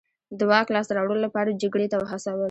د واک لاسته راوړلو لپاره جګړې ته هڅول.